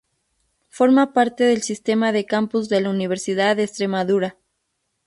Forma parte del sistema de campus de la Universidad de Extremadura.